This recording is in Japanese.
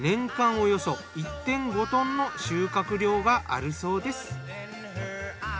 およそ１．５ｔの収穫量があるそうです。